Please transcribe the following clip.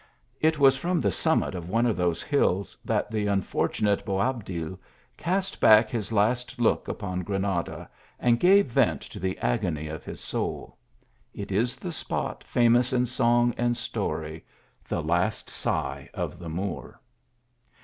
It was from the summit of one of those hills that the unfortunate Boabdil cast back his last look upon Granada and gave vent to the agony of his soul. It is the spot famous in song and story, " The last sigh of the Moor."